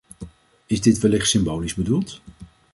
Is dit wellicht symbolisch bedoeld?